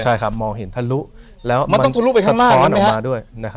ใช่ครับมองเข้าเพื่อเห็นถะลูแล้วสะท้อนออกมาด้วย